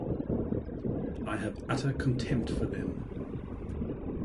I have utter contempt for them.